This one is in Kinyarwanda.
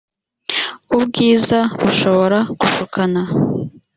ubwiza bushobora gushukana